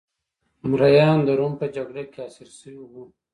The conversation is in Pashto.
مریان د روم په جګړه کې اسیر شوي وو